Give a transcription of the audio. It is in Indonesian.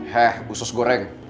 heh usus goreng